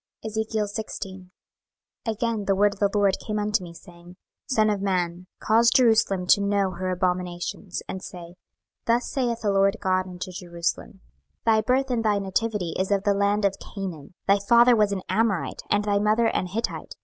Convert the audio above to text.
26:016:001 Again the word of the LORD came unto me, saying, 26:016:002 Son of man, cause Jerusalem to know her abominations, 26:016:003 And say, Thus saith the Lord GOD unto Jerusalem; Thy birth and thy nativity is of the land of Canaan; thy father was an Amorite, and thy mother an Hittite.